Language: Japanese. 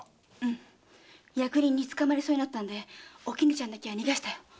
役人に捕まりそうになったんでおきぬちゃんだけは逃がしたよ。